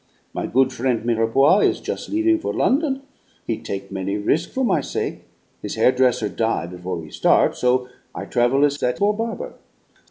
My good frien' Mirepoix is jus' leaving for London; he take' many risk' for my sake; his hairdresser die before he start', so I travel as that poor barber.